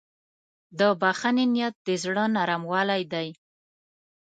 د بښنې نیت د زړه نرموالی دی.